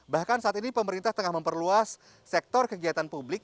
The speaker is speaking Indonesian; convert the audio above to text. bahkan saat ini pemerintah tengah memperluas sektor kegiatan publik